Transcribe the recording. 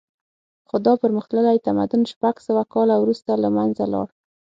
خو دا پرمختللی تمدن شپږ سوه کاله وروسته له منځه لاړ